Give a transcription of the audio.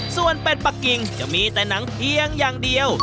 ส่วนเป็ดปะกิ่งจะมีแต่หนังเพียงอย่างเดียว